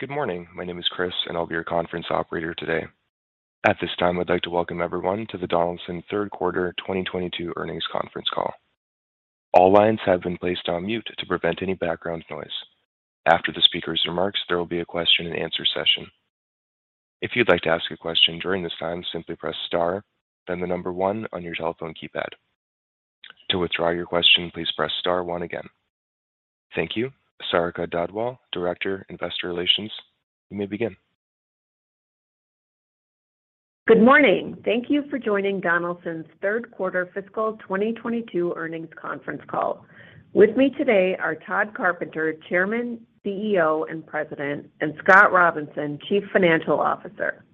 Good morning. My name is Chris, and I'll be your conference operator today. At this time, I'd like to welcome everyone to the Donaldson third quarter 2022 earnings conference call. All lines have been placed on mute to prevent any background noise. After the speaker's remarks, there will be a question-and-answer session. If you'd like to ask a question during this time, simply press star, then the number one on your telephone keypad. To withdraw your question, please press star one again. Thank you. Sarika Dhadwal, Director, Investor Relations, you may begin. Good morning. Thank you for joining Donaldson's third quarter fiscal 2022 earnings conference call. With me today are Tod Carpenter, Chairman, CEO, and President, and Scott Robinson, Chief Financial Officer.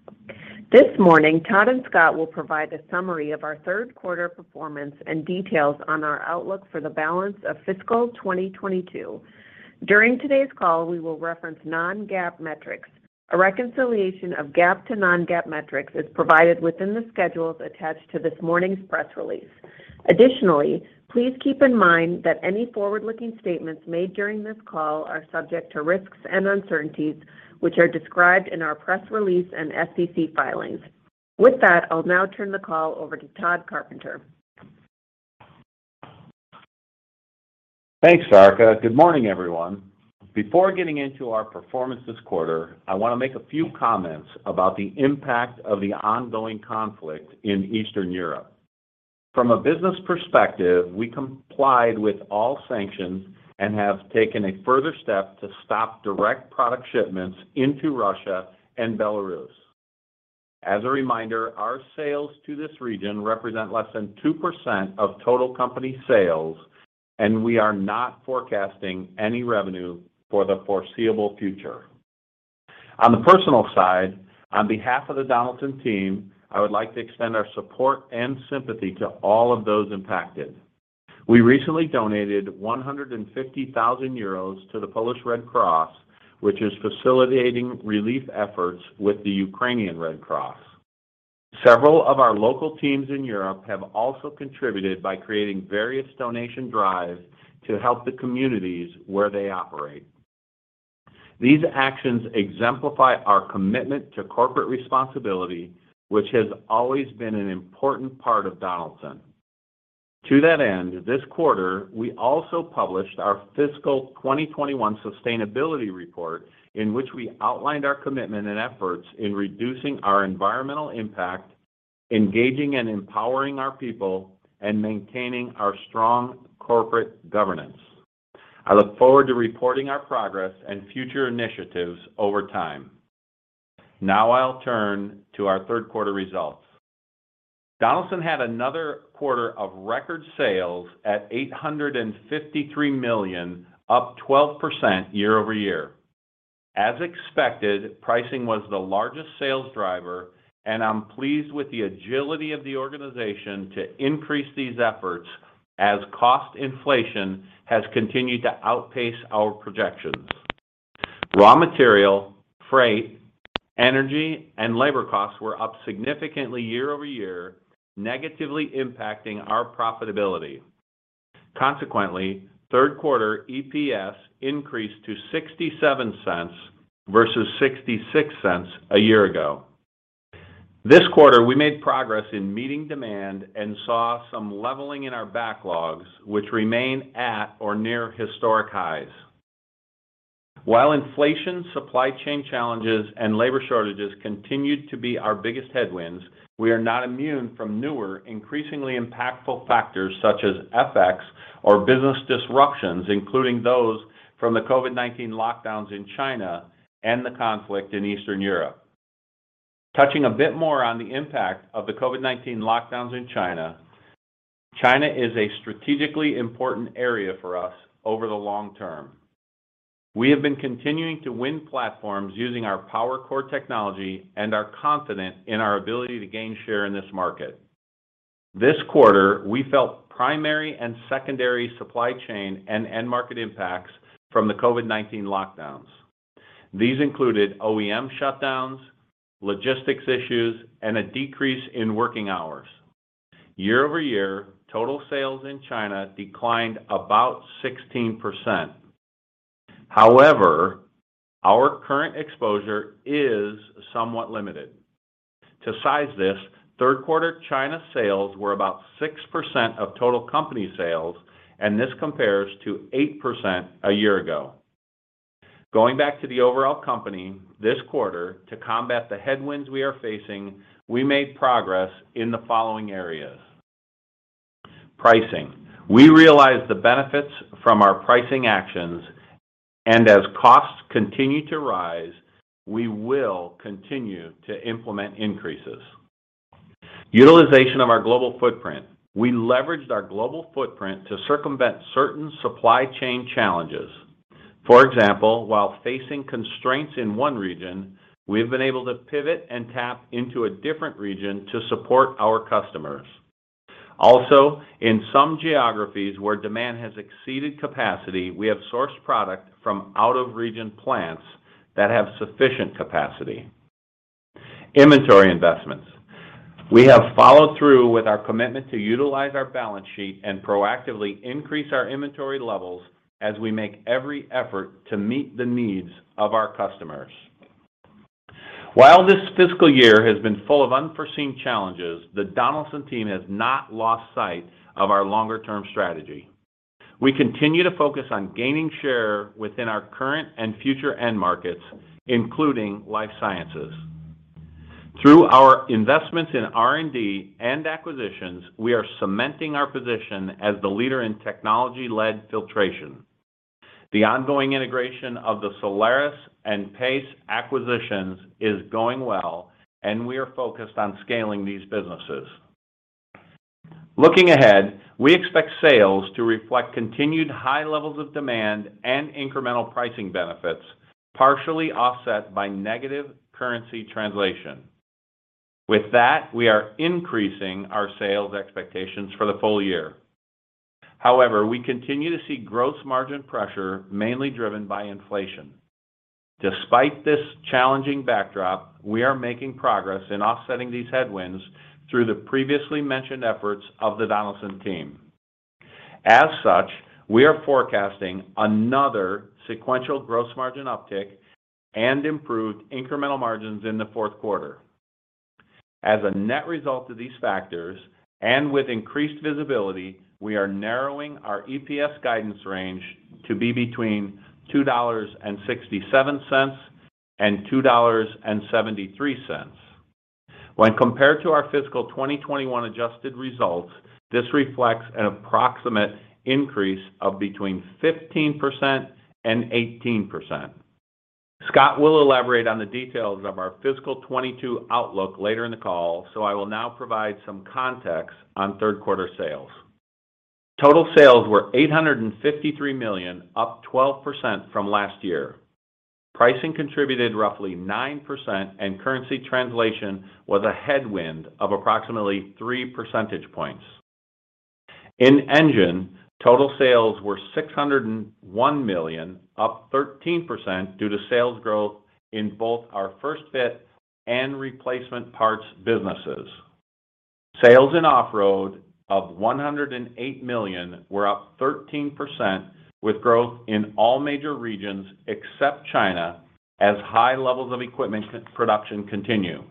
This morning, Tod and Scott will provide a summary of our third quarter performance and details on our outlook for the balance of fiscal 2022. During today's call, we will reference non-GAAP metrics. A reconciliation of GAAP to non-GAAP metrics is provided within the schedules attached to this morning's press release. Additionally, please keep in mind that any forward-looking statements made during this call are subject to risks and uncertainties, which are described in our press release and SEC filings. With that, I'll now turn the call over to Tod Carpenter. Thanks, Sarika. Good morning, everyone. Before getting into our performance this quarter, I want to make a few comments about the impact of the ongoing conflict in Eastern Europe. From a business perspective, we complied with all sanctions and have taken a further step to stop direct product shipments into Russia and Belarus. As a reminder, our sales to this region represent less than 2% of total company sales, and we are not forecasting any revenue for the foreseeable future. On the personal side, on behalf of the Donaldson team, I would like to extend our support and sympathy to all of those impacted. We recently donated 150,000 euros to the Polish Red Cross, which is facilitating relief efforts with the Ukrainian Red Cross. Several of our local teams in Europe have also contributed by creating various donation drives to help the communities where they operate. These actions exemplify our commitment to corporate responsibility, which has always been an important part of Donaldson. To that end, this quarter, we also published our fiscal 2021 sustainability report in which we outlined our commitment and efforts in reducing our environmental impact, engaging and empowering our people, and maintaining our strong corporate governance. I look forward to reporting our progress and future initiatives over time. Now I'll turn to our third quarter results. Donaldson had another quarter of record sales at $853 million, up 12% year-over-year. As expected, pricing was the largest sales driver, and I'm pleased with the agility of the organization to increase these efforts as cost inflation has continued to outpace our projections. Raw material, freight, energy, and labor costs were up significantly year-over-year, negatively impacting our profitability. Consequently, third quarter EPS increased to $0.67 versus $0.66 a year ago. This quarter, we made progress in meeting demand and saw some leveling in our backlogs, which remain at or near historic highs. While inflation, supply chain challenges, and labor shortages continued to be our biggest headwinds, we are not immune from newer, increasingly impactful factors such as FX or business disruptions, including those from the COVID-19 lockdowns in China and the conflict in Eastern Europe. Touching a bit more on the impact of the COVID-19 lockdowns in China is a strategically important area for us over the long term. We have been continuing to win platforms using our PowerCore technology and are confident in our ability to gain share in this market. This quarter, we felt primary and secondary supply chain and end market impacts from the COVID-19 lockdowns. These included OEM shutdowns, logistics issues, and a decrease in working hours. Year-over-year, total sales in China declined about 16%. However, our current exposure is somewhat limited. To size this, third quarter China sales were about 6% of total company sales, and this compares to 8% a year ago. Going back to the overall company, this quarter, to combat the headwinds we are facing, we made progress in the following areas. Pricing. We realized the benefits from our pricing actions, and as costs continue to rise, we will continue to implement increases. Utilization of our global footprint. We leveraged our global footprint to circumvent certain supply chain challenges. For example, while facing constraints in one region, we have been able to pivot and tap into a different region to support our customers. Also, in some geographies where demand has exceeded capacity, we have sourced product from out-of-region plants that have sufficient capacity. Inventory investments. We have followed through with our commitment to utilize our balance sheet and proactively increase our inventory levels as we make every effort to meet the needs of our customers. While this fiscal year has been full of unforeseen challenges, the Donaldson team has not lost sight of our longer term strategy. We continue to focus on gaining share within our current and future end markets, including life sciences. Through our investments in R&D and acquisitions, we are cementing our position as the leader in technology-led filtration. The ongoing integration of the Solaris and Purilogics acquisitions is going well, and we are focused on scaling these businesses. Looking ahead, we expect sales to reflect continued high levels of demand and incremental pricing benefits, partially offset by negative currency translation. With that, we are increasing our sales expectations for the full year. However, we continue to see gross margin pressure, mainly driven by inflation. Despite this challenging backdrop, we are making progress in offsetting these headwinds through the previously mentioned efforts of the Donaldson team. As such, we are forecasting another sequential gross margin uptick and improved incremental margins in the fourth quarter. As a net result of these factors, and with increased visibility, we are narrowing our EPS guidance range to be between $2.67 and $2.73. When compared to our fiscal 2021 adjusted results, this reflects an approximate increase of between 15% and 18%. Scott will elaborate on the details of our fiscal 2022 outlook later in the call, so I will now provide some context on third quarter sales. Total sales were $853 million, up 12% from last year. Pricing contributed roughly 9% and currency translation was a headwind of approximately 3 percentage points. In Engine, total sales were $601 million, up 13% due to sales growth in both our first fit and replacement parts businesses. Sales in Off-Road of $108 million were up 13%, with growth in all major regions except China, as high levels of equipment production continue.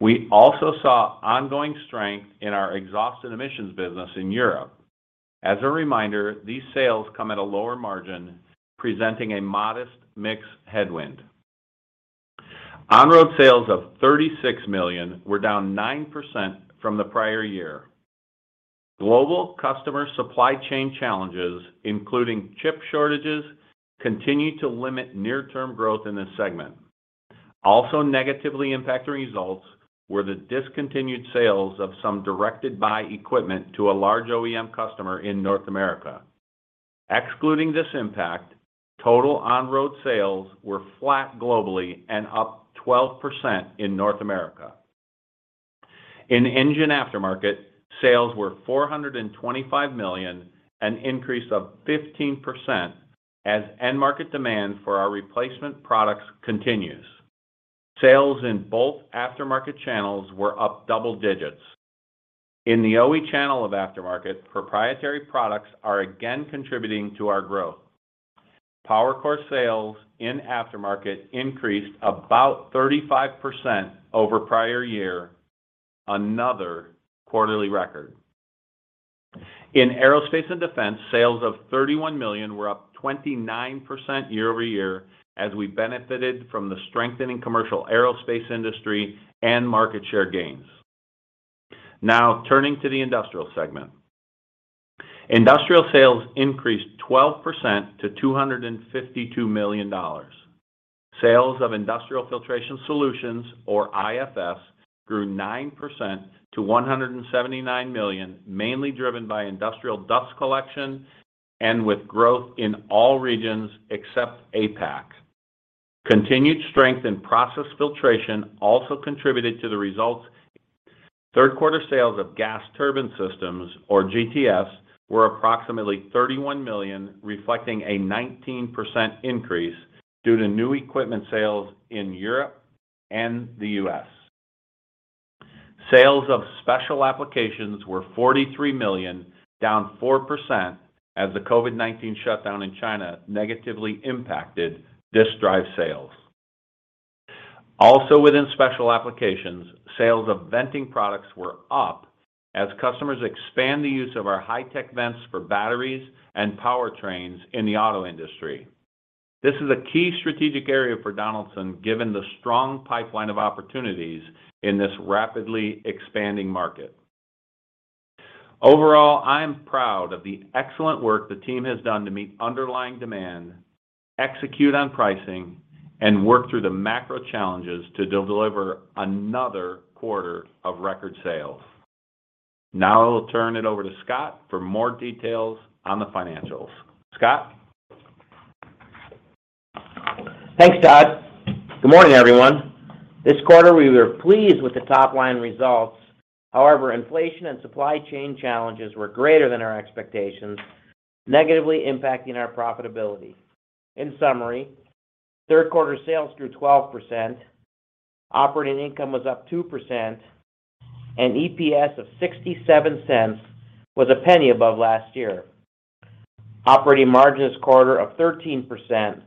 We also saw ongoing strength in our exhaust and emissions business in Europe. As a reminder, these sales come at a lower margin, presenting a modest mix headwind. On-Road sales of $36 million were down 9% from the prior year. Global customer supply chain challenges, including chip shortages, continued to limit near term growth in this segment. Also negatively impacting results were the discontinued sales of some directed buy equipment to a large OEM customer in North America. Excluding this impact, total On-Road sales were flat globally and up 12% in North America. In Engine Aftermarket, sales were $425 million, an increase of 15% as end market demand for our replacement products continues. Sales in both aftermarket channels were up double-digits. In the OE channel of Aftermarket, proprietary products are again contributing to our growth. PowerCore sales in Aftermarket increased about 35% over prior year, another quarterly record. In Aerospace & Defense, sales of $31 million were up 29% year-over-year as we benefited from the strengthening commercial aerospace industry and market share gains. Now turning to the Industrial segment. Industrial sales increased 12% to $252 million. Sales of Industrial Filtration Solutions, or IFS, grew 9% to $179 million, mainly driven by industrial dust collection and with growth in all regions except APAC. Continued strength in process filtration also contributed to the results. Third quarter sales of Gas Turbine Systems, or GTS, were approximately $31 million, reflecting a 19% increase due to new equipment sales in Europe and the U.S. Sales of Special Applications were $43 million, down 4% as the COVID-19 shutdown in China negatively impacted Disk Drive sales. Also within Special Applications, sales of venting products were up as customers expand the use of our high-tech vents for batteries and powertrains in the auto industry. This is a key strategic area for Donaldson, given the strong pipeline of opportunities in this rapidly expanding market. Overall, I am proud of the excellent work the team has done to meet underlying demand, execute on pricing, and work through the macro challenges to deliver another quarter of record sales. Now I will turn it over to Scott for more details on the financials. Scott? Thanks, Tod. Good morning, everyone. This quarter, we were pleased with the top line results. However, inflation and supply chain challenges were greater than our expectations, negatively impacting our profitability. In summary, third quarter sales grew 12%, operating income was up 2%, and EPS of $0.67 was $0.01 above last year. Operating margin this quarter of 13%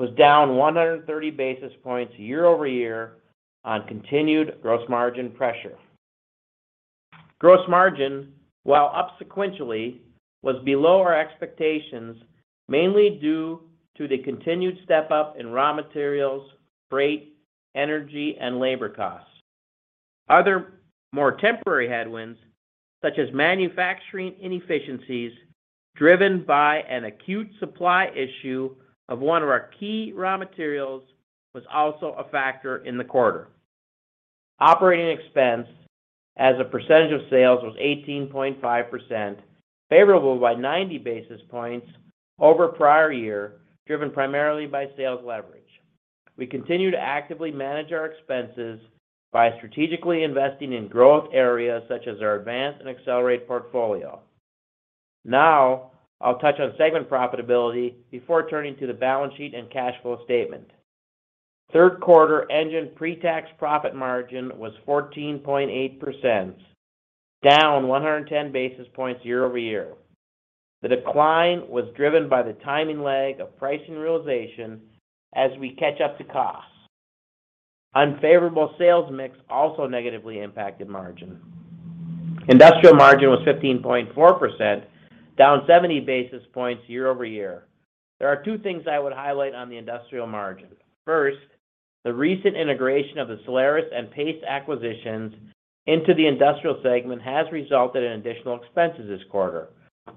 was down 130 basis points year-over-year on continued gross margin pressure. Gross margin, while up sequentially, was below our expectations, mainly due to the continued step up in raw materials, freight, energy, and labor costs. Other more temporary headwinds, such as manufacturing inefficiencies driven by an acute supply issue of one of our key raw materials, was also a factor in the quarter. Operating expense as a percentage of sales was 18.5%, favorable by 90 basis points over prior year, driven primarily by sales leverage. We continue to actively manage our expenses by strategically investing in growth areas such as our Advance and Accelerate portfolio. Now, I'll touch on segment profitability before turning to the balance sheet and cash flow statement. Third quarter Engine pre-tax profit margin was 14.8%, down 110 basis points year-over-year. The decline was driven by the timing lag of pricing realization as we catch up to costs. Unfavorable sales mix also negatively impacted margin. Industrial margin was 15.4%, down 70 basis points year-over-year. There are two things I would highlight on the Industrial margin. First, the recent integration of the Solaris and Purilogics acquisitions into the Industrial segment has resulted in additional expenses this quarter.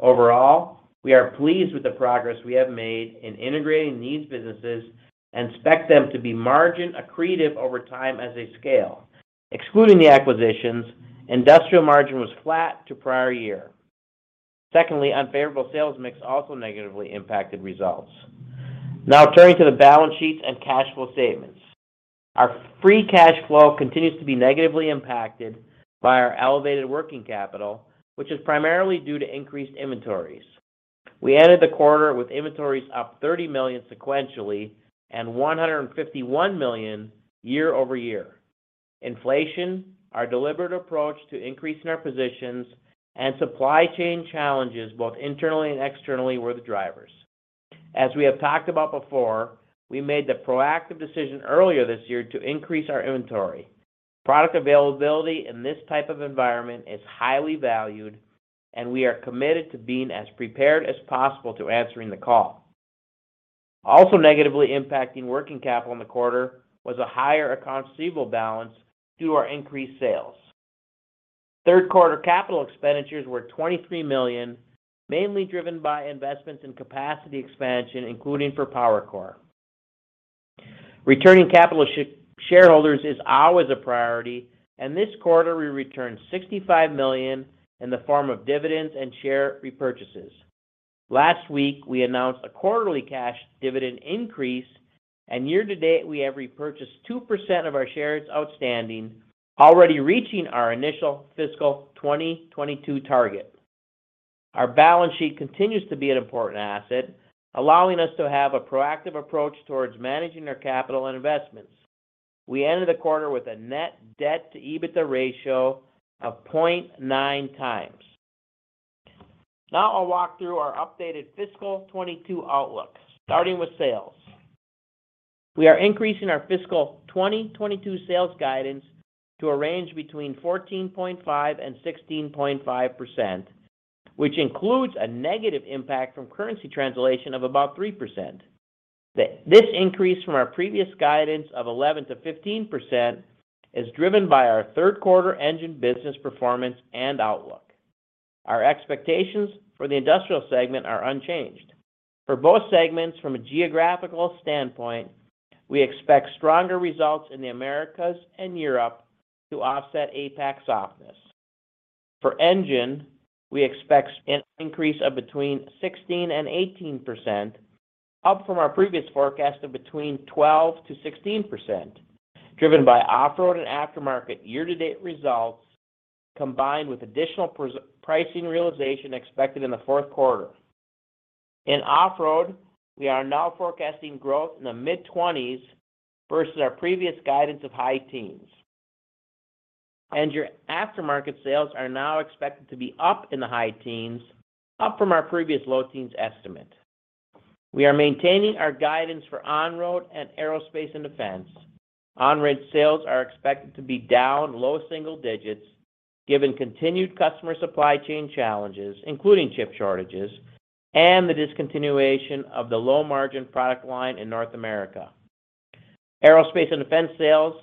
Overall, we are pleased with the progress we have made in integrating these businesses and expect them to be margin accretive over time as they scale. Excluding the acquisitions, Industrial margin was flat to prior year. Secondly, unfavorable sales mix also negatively impacted results. Now turning to the balance sheets and cash flow statements. Our free cash flow continues to be negatively impacted by our elevated working capital, which is primarily due to increased inventories. We ended the quarter with inventories up $30 million sequentially and $151 million year-over-year. Inflation, our deliberate approach to increasing our positions, and supply chain challenges both internally and externally were the drivers. As we have talked about before, we made the proactive decision earlier this year to increase our inventory. Product availability in this type of environment is highly valued, and we are committed to being as prepared as possible to answering the call. Also negatively impacting working capital in the quarter was a higher accounts receivable balance due to our increased sales. Third quarter capital expenditures were $23 million, mainly driven by investments in capacity expansion, including for PowerCore. Returning capital to shareholders is always a priority, and this quarter we returned $65 million in the form of dividends and share repurchases. Last week, we announced a quarterly cash dividend increase, and year-to-date, we have repurchased 2% of our shares outstanding, already reaching our initial fiscal 2022 target. Our balance sheet continues to be an important asset, allowing us to have a proactive approach towards managing our capital and investments. We ended the quarter with a Net Debt to EBITDA ratio of 0.9x. Now I'll walk through our updated fiscal 2022 outlook, starting with sales. We are increasing our fiscal 2022 sales guidance to a range between 14.5% and 16.5%, which includes a negative impact from currency translation of about 3%. This increase from our previous guidance of 11%-15% is driven by our third quarter Engine business performance and outlook. Our expectations for the Industrial segment are unchanged. For both segments from a geographical standpoint, we expect stronger results in the Americas and Europe to offset APAC softness. For Engine, we expect an increase of between 16% and 18%, up from our previous forecast of between 12%-16%, driven by Off-Road and aftermarket year-to-date results, combined with additional pricing realization expected in the fourth quarter. In Off-Road, we are now forecasting growth in the mid-20%s versus our previous guidance of high teens. Your aftermarket sales are now expected to be up in the high teens, up from our previous low teens estimate. We are maintaining our guidance for On-Road and Aerospace & Defense. On-Road sales are expected to be down low single-digits given continued customer supply chain challenges, including chip shortages and the discontinuation of the low margin product line in North America. Aerospace & Defense sales,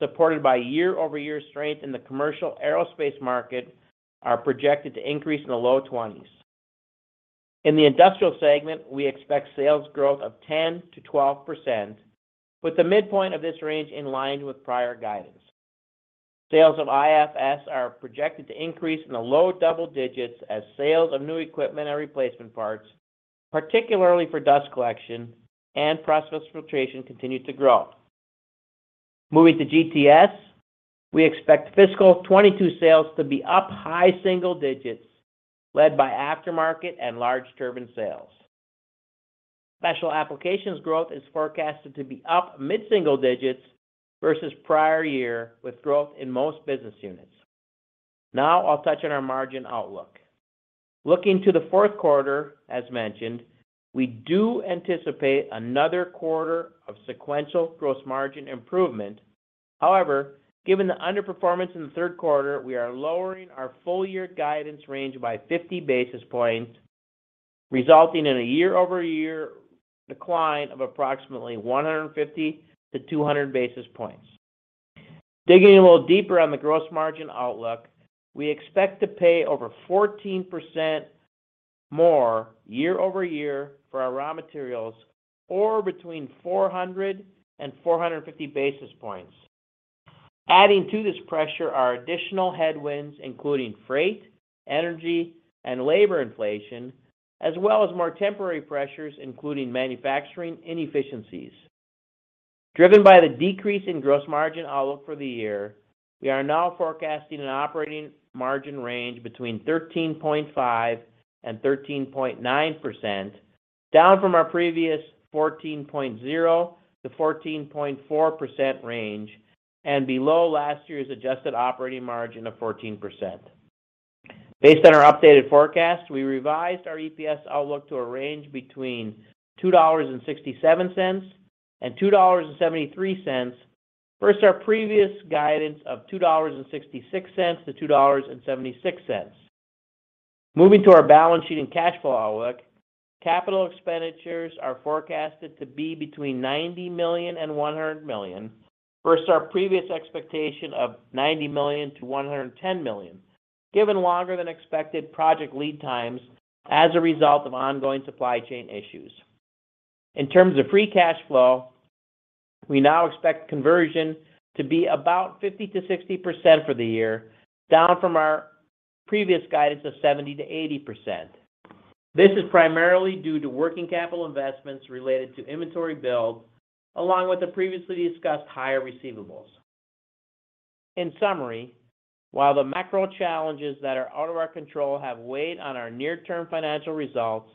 supported by year-over-year strength in the commercial aerospace market, are projected to increase in the low-20%s. In the Industrial segment, we expect sales growth of 10%-12%, with the midpoint of this range in line with prior guidance. Sales of IFS are projected to increase in the low double-digits as sales of new equipment and replacement parts, particularly for dust collection and process filtration, continue to grow. Moving to GTS, we expect fiscal 2022 sales to be up high single-digits led by aftermarket and large turbine sales. Special Applications growth is forecasted to be up mid-single-digits versus prior year, with growth in most business units. Now I'll touch on our margin outlook. Looking to the fourth quarter, as mentioned, we do anticipate another quarter of sequential gross margin improvement. However, given the underperformance in the third quarter, we are lowering our full year guidance range by 50 basis points, resulting in a year-over-year decline of approximately 150 basis points-200 basis points. Digging a little deeper on the gross margin outlook, we expect to pay over 14% more year-over-year for our raw materials or between 400 and 450 basis points. Adding to this pressure are additional headwinds including freight, energy, and labor inflation as well as more temporary pressures, including manufacturing inefficiencies. Driven by the decrease in gross margin outlook for the year, we are now forecasting an operating margin range between 13.5% and 13.9%, down from our previous 14.0%-14.4% range and below last year's Adjusted Operating Margin of 14%. Based on our updated forecast, we revised our EPS outlook to a range between $2.67 and $2.73 versus our previous guidance of $2.66-$2.76. Moving to our balance sheet and cash flow outlook, capital expenditures are forecasted to be between $90 million and $100 million versus our previous expectation of $90 million-$110 million, given longer than expected project lead times as a result of ongoing supply chain issues. In terms of free cash flow, we now expect conversion to be about 50%-60% for the year, down from our previous guidance of 70%-80%. This is primarily due to working capital investments related to inventory build along with the previously discussed higher receivables. In summary, while the macro challenges that are out of our control have weighed on our near-term financial results,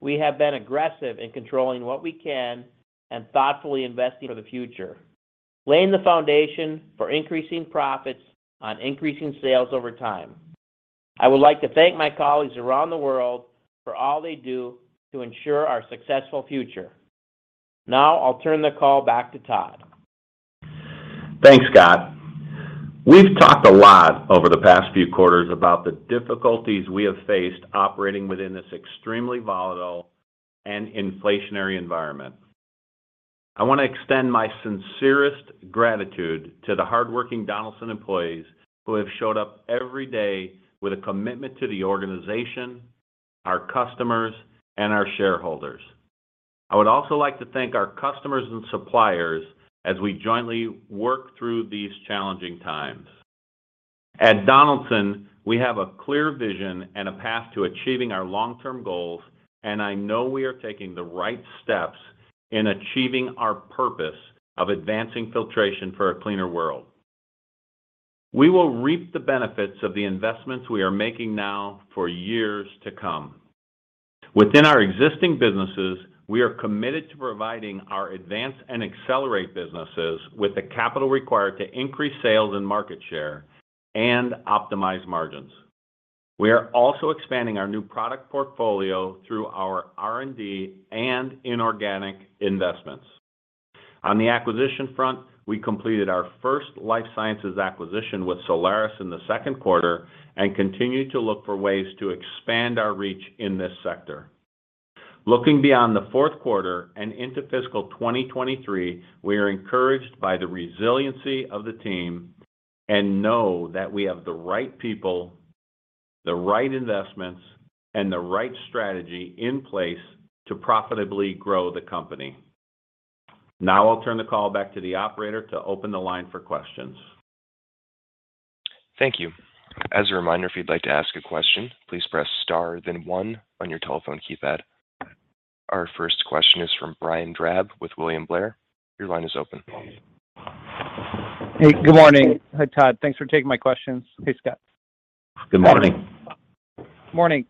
we have been aggressive in controlling what we can and thoughtfully investing for the future, laying the foundation for increasing profits on increasing sales over time. I would like to thank my colleagues around the world for all they do to ensure our successful future. Now I'll turn the call back to Tod. Thanks, Scott. We've talked a lot over the past few quarters about the difficulties we have faced operating within this extremely volatile and inflationary environment. I wanna extend my sincerest gratitude to the hardworking Donaldson employees who have showed up every day with a commitment to the organization, our customers, and our shareholders. I would also like to thank our customers and suppliers as we jointly work through these challenging times. At Donaldson, we have a clear vision and a path to achieving our long-term goals, and I know we are taking the right steps in achieving our purpose of advancing filtration for a cleaner world. We will reap the benefits of the investments we are making now for years to come. Within our existing businesses, we are committed to providing our Advance and Accelerate businesses with the capital required to increase sales and market share and optimize margins. We are also expanding our new product portfolio through our R&D and inorganic investments. On the acquisition front, we completed our first life sciences acquisition with Solaris in the second quarter and continue to look for ways to expand our reach in this sector. Looking beyond the fourth quarter and into fiscal 2023, we are encouraged by the resiliency of the team and know that we have the right people, the right investments, and the right strategy in place to profitably grow the company. Now I'll turn the call back to the operator to open the line for questions. Thank you. As a reminder, if you'd like to ask a question, please press star then one on your telephone keypad. Our first question is from Brian Drab with William Blair. Your line is open. Hey, good morning. Hi, Tod. Thanks for taking my questions. Hey, Scott. Good morning. Morning.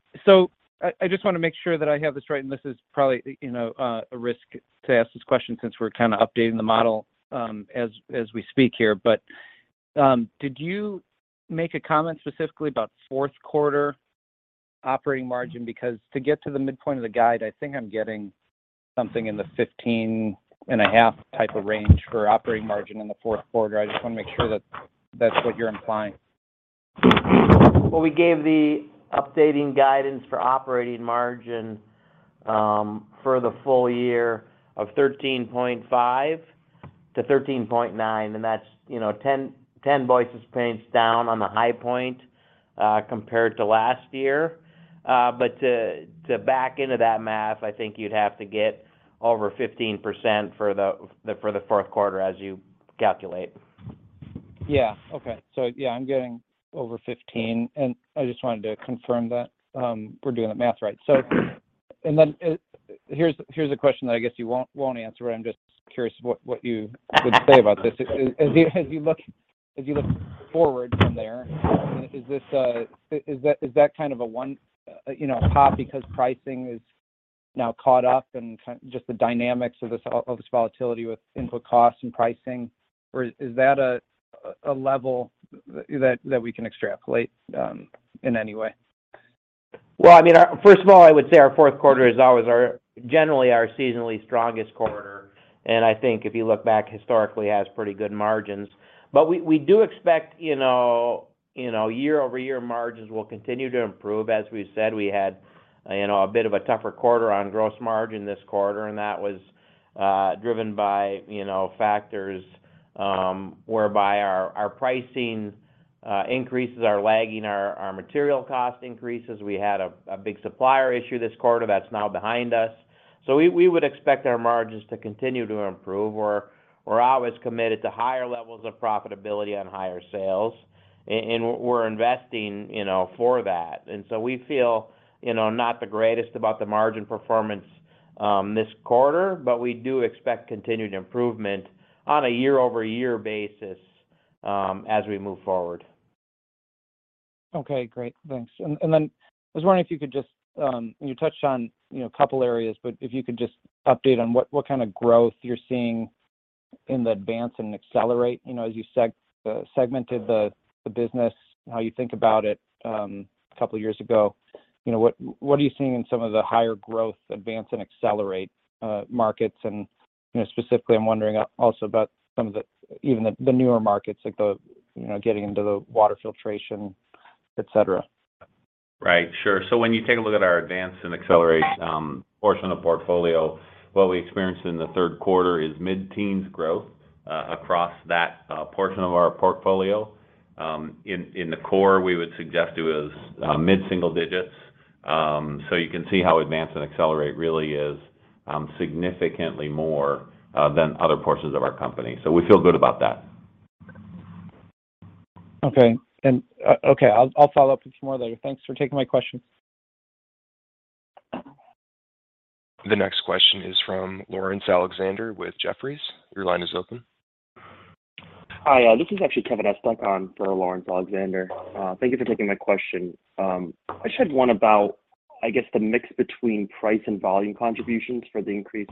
I just wanna make sure that I have this right, and this is probably, you know, a risk to ask this question since we're kinda updating the model as we speak here. Did you make a comment specifically about fourth quarter operating margin? Because to get to the midpoint of the guide, I think I'm getting something in the 15.5% type of range for operating margin in the fourth quarter. I just wanna make sure that that's what you're implying. Well, we gave the updated guidance for operating margin for the full year of 13.5%-13.9%, and that's 10 basis points down at the high end compared to last year. To back into that math, I think you'd have to get over 15% for the fourth quarter as you calculate. Yeah. Okay. Yeah, I'm getting over 15%, and I just wanted to confirm that we're doing the math right. Here's a question that I guess you won't answer. I'm just curious what you would say about this. As you look forward from there, is that kind of a one you know pop because pricing is now caught up and just the dynamics of this volatility with input costs and pricing? Or is that a level that we can extrapolate in any way? Well, I mean, first of all, I would say our fourth quarter is always our generally seasonally strongest quarter. I think if you look back historically, has pretty good margins. We do expect, you know, you know, year-over-year margins will continue to improve. As we said, we had, you know, a bit of a tougher quarter on gross margin this quarter, and that was driven by, you know, factors, whereby our pricing increases are lagging our material cost increases. We had a big supplier issue this quarter that's now behind us. We would expect our margins to continue to improve. We're always committed to higher levels of profitability on higher sales, and we're investing, you know, for that. We feel, you know, not the greatest about the margin performance this quarter, but we do expect continued improvement on a year-over-year basis as we move forward. Okay, great. Thanks. I was wondering if you could just. You touched on, you know, a couple areas, but if you could just update on what kind of growth you're seeing in the Advance and Accelerate, you know, as you segmented the business and how you think about it, a couple years ago. You know, what are you seeing in some of the higher growth Advance and Accelerate markets? You know, specifically I'm wondering also about some of the even the newer markets like the, you know, getting into the water filtration, et cetera. Right. Sure. When you take a look at our Advance and Accelerate portion of portfolio, what we experienced in the third quarter is mid-teens growth across that portion of our portfolio. In the core, we would suggest it was mid-single-digits. You can see how Advance and Accelerate really is significantly more than other portions of our company. We feel good about that. Okay. I'll follow up with some more later. Thanks for taking my question. The next question is from Laurence Alexander with Jefferies. Your line is open. Hi, this is actually Kevin Estok on for Laurence Alexander. Thank you for taking my question. I just had one about, I guess, the mix between price and volume contributions for the increase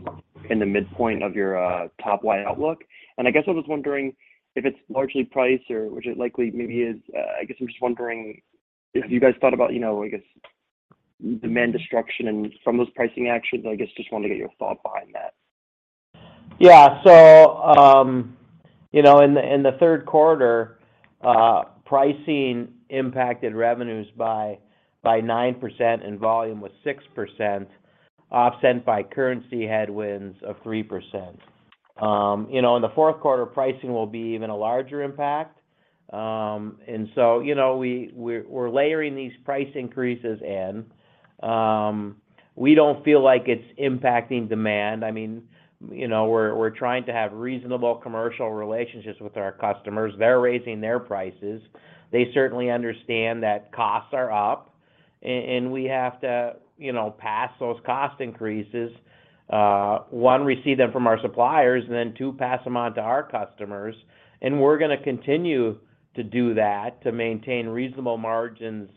in the midpoint of your top line outlook. I guess I was wondering if it's largely price or which it likely maybe is. I guess I'm just wondering if you guys thought about, you know, I guess, demand destruction and from those pricing actions. I guess, just wanted to get your thought behind that. Yeah. You know, in the third quarter, pricing impacted revenues by 9% and volume was 6%, offset by currency headwinds of 3%. You know, in the fourth quarter, pricing will be even a larger impact. You know, we're layering these price increases in. We don't feel like it's impacting demand. I mean, you know, we're trying to have reasonable commercial relationships with our customers. They're raising their prices. They certainly understand that costs are up and we have to, you know, pass those cost increases. One, receive them from our suppliers, and then two, pass them on to our customers. We're gonna continue to do that to maintain reasonable margins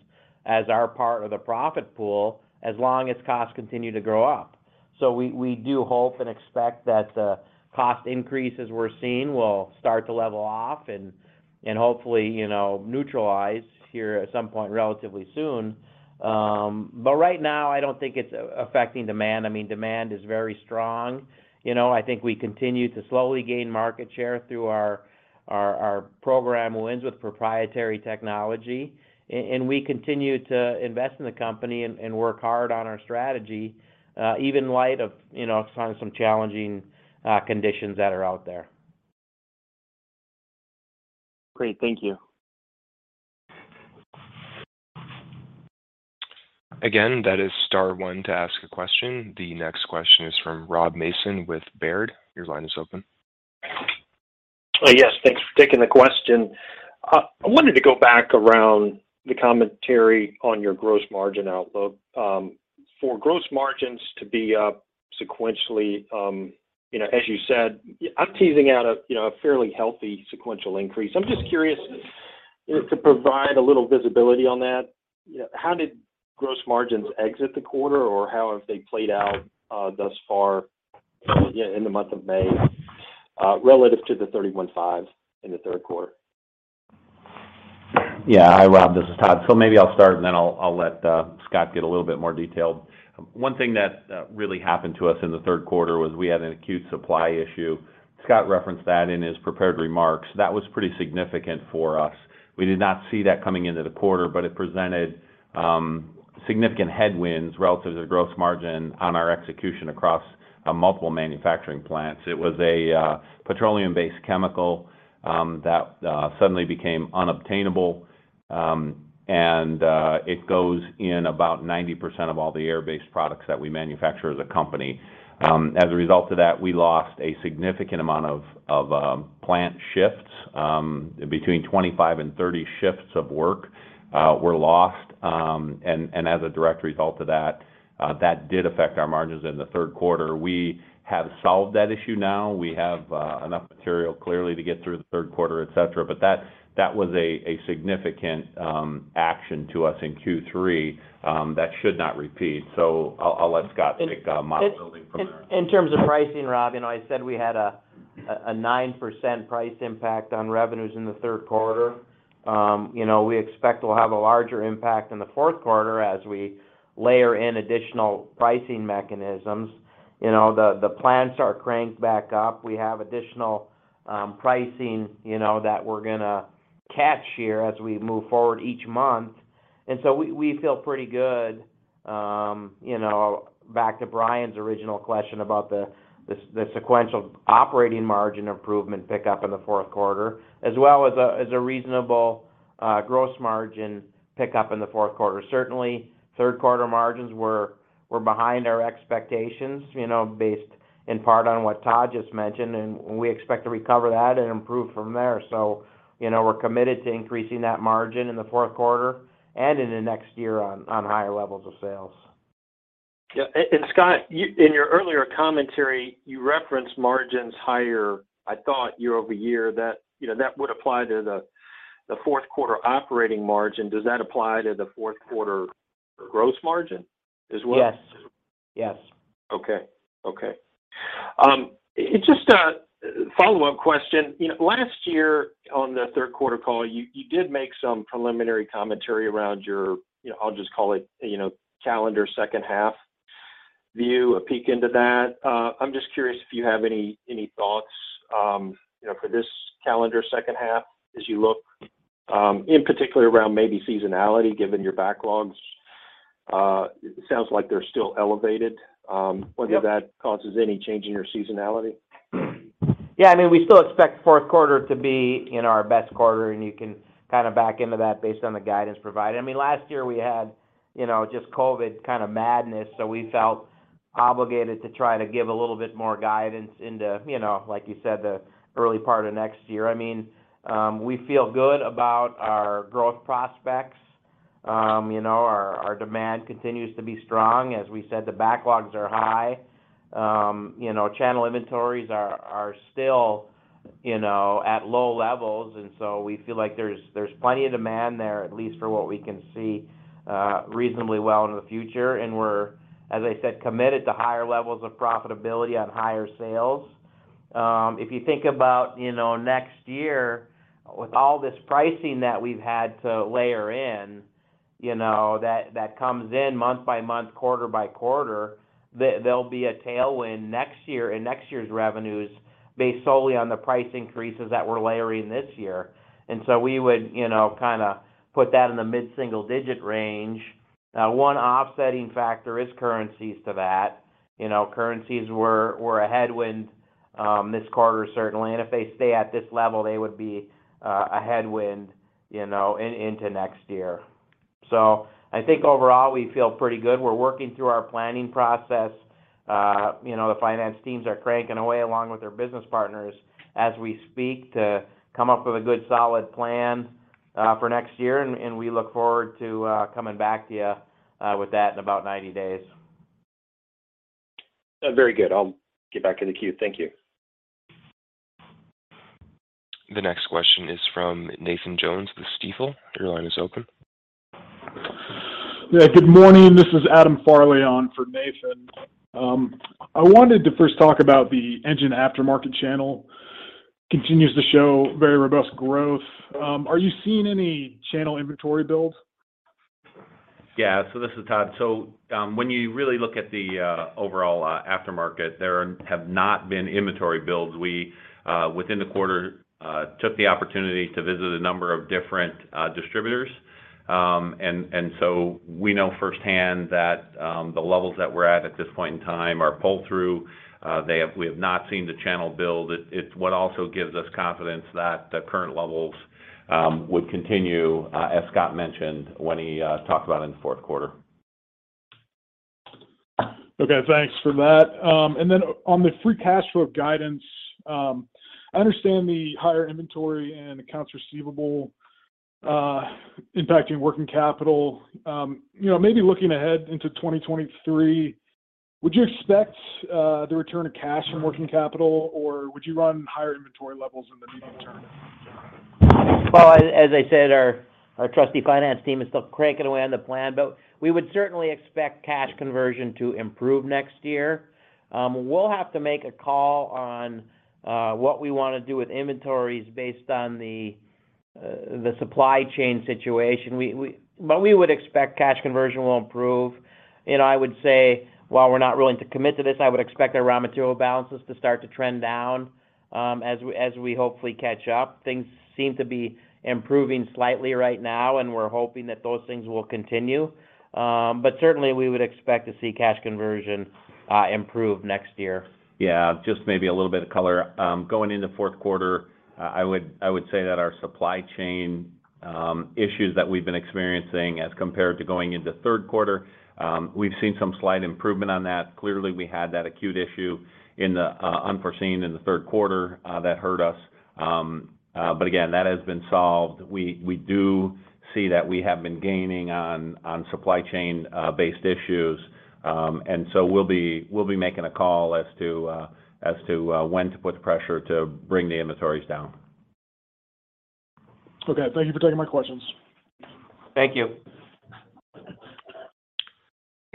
as our part of the profit pool, as long as costs continue to grow up. We do hope and expect that the cost increases we're seeing will start to level off and hopefully, you know, neutralize here at some point relatively soon. Right now, I don't think it's affecting demand. I mean, demand is very strong. You know, I think we continue to slowly gain market share through our program wins with proprietary technology. And we continue to invest in the company and work hard on our strategy even in light of, you know, some challenging conditions that are out there. Great. Thank you. Again, that is star one to ask a question. The next question is from Rob Mason with Baird. Your line is open. Yes. Thanks for taking the question. I wanted to go back around the commentary on your gross margin outlook. For gross margins to be up sequentially, you know, as you said, I'm teasing out a, you know, a fairly healthy sequential increase. I'm just curious, you know, to provide a little visibility on that. You know, how did gross margins exit the quarter or how have they played out, thus far, in the month of May, relative to the 31.5% in the third quarter? Yeah. Hi, Rob. This is Tod. Maybe I'll start and then I'll let Scott get a little bit more detailed. One thing that really happened to us in the third quarter was we had an acute supply issue. Scott referenced that in his prepared remarks. That was pretty significant for us. We did not see that coming into the quarter, but it presented significant headwinds relative to the gross margin on our execution across multiple manufacturing plants. It was a petroleum-based chemical that suddenly became unobtainable. It goes in about 90% of all the air-based products that we manufacture as a company. As a result of that, we lost a significant amount of plant shifts. Between 25 and 30 shifts of work were lost. As a direct result of that did affect our margins in the third quarter. We have solved that issue now. We have enough material clearly to get through the third quarter, et cetera. That was a significant action to us in Q3 that should not repeat. I'll let Scott pick up from there. In terms of pricing, Rob, you know, I said we had a 9% price impact on revenues in the third quarter. You know, we expect we'll have a larger impact in the fourth quarter as we layer in additional pricing mechanisms. You know, the plants are cranked back up. We have additional pricing, you know, that we're gonna catch here as we move forward each month. We feel pretty good, you know, back to Brian's original question about the sequential operating margin improvement pickup in the fourth quarter, as well as a reasonable gross margin pickup in the fourth quarter. Certainly, third quarter margins were behind our expectations, you know, based in part on what Tod just mentioned, and we expect to recover that and improve from there. You know, we're committed to increasing that margin in the fourth quarter and in the next year on higher levels of sales. Yeah. Scott, in your earlier commentary, you referenced margins higher, I thought, year-over-year, that, you know, that would apply to the fourth quarter operating margin. Does that apply to the fourth quarter gross margin as well? Yes. Yes. Okay. Just a follow-up question. You know, last year on the third quarter call, you did make some preliminary commentary around your, you know, I'll just call it, you know, calendar second half view, a peek into that. I'm just curious if you have any thoughts, you know, for this calendar second half as you look in particular around maybe seasonality given your backlogs. Sounds like they're still elevated. Yep. Whether that causes any change in your seasonality. Yeah. I mean, we still expect fourth quarter to be, you know, our best quarter, and you can kind of back into that based on the guidance provided. I mean, last year we had, you know, just COVID kind of madness, so we felt obligated to try to give a little bit more guidance into, you know, like you said, the early part of next year. I mean, we feel good about our growth prospects. You know, our demand continues to be strong. As we said, the backlogs are high. You know, channel inventories are still, you know, at low levels, and so we feel like there's plenty of demand there, at least for what we can see reasonably well into the future. We're, as I said, committed to higher levels of profitability on higher sales. If you think about, you know, next year, with all this pricing that we've had to layer in, you know, that comes in month by month, quarter by quarter, there'll be a tailwind next year in next year's revenues based solely on the price increases that we're layering this year. We would, you know, kinda put that in the mid-single-digit range. Now, one offsetting factor is currencies to that. You know, currencies were a headwind this quarter certainly. If they stay at this level, they would be a headwind, you know, into next year. I think overall we feel pretty good. We're working through our planning process. You know, the finance teams are cranking away along with their business partners as we speak to come up with a good solid plan, and we look forward to coming back to you with that in about 90 days. Very good. I'll get back in the queue. Thank you. The next question is from Nathan Jones with Stifel. Your line is open. Yeah. Good morning. This is Adam Farley on for Nathan. I wanted to first talk about the Engine Aftermarket channel continues to show very robust growth. Are you seeing any channel inventory builds? This is Tod. When you really look at the overall aftermarket, there have not been inventory builds. We within the quarter took the opportunity to visit a number of different distributors. We know firsthand that the levels that we're at at this point in time are pull through. We have not seen the channel build. It's what also gives us confidence that the current levels would continue as Scott mentioned when he talked about in the fourth quarter. Okay. Thanks for that. On the free cash flow guidance, I understand the higher inventory and accounts receivable impacting working capital. You know, maybe looking ahead into 2023, would you expect the return of cash from working capital, or would you run higher inventory levels in the near term? As I said, our trusty finance team is still cranking away on the plan, but we would certainly expect cash conversion to improve next year. We'll have to make a call on what we wanna do with inventories based on the supply chain situation. We would expect cash conversion will improve. You know, I would say, while we're not willing to commit to this, I would expect our raw material balances to start to trend down as we hopefully catch up. Things seem to be improving slightly right now, and we're hoping that those things will continue. Certainly, we would expect to see cash conversion improve next year. Yeah. Just maybe a little bit of color. Going into fourth quarter, I would say that our supply chain issues that we've been experiencing as compared to going into third quarter, we've seen some slight improvement on that. Clearly, we had that acute, unforeseen issue in the third quarter that hurt us. Again, that has been solved. We do see that we have been gaining on supply chain-based issues. We'll be making a call as to when to put the pressure to bring the inventories down. Okay. Thank you for taking my questions. Thank you.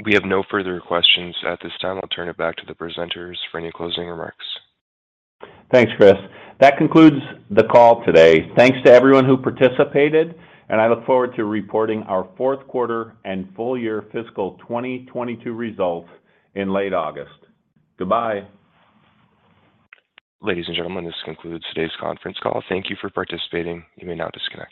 We have no further questions at this time. I'll turn it back to the presenters for any closing remarks. Thanks, Chris. That concludes the call today. Thanks to everyone who participated, and I look forward to reporting our fourth quarter and full year fiscal 2022 results in late August. Goodbye. Ladies and gentlemen, this concludes today's conference call. Thank you for participating. You may now disconnect.